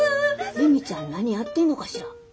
恵美ちゃん何やってんのかしら？